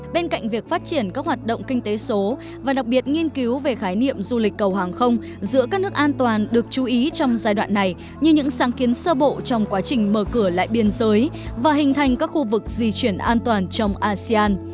bên cạnh việc phát triển các hoạt động kinh tế số và đặc biệt nghiên cứu về khái niệm du lịch cầu hàng không giữa các nước an toàn được chú ý trong giai đoạn này như những sáng kiến sơ bộ trong quá trình mở cửa lại biên giới và hình thành các khu vực di chuyển an toàn trong asean